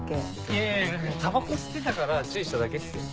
いやいやタバコ吸ってたから注意しただけっすよ。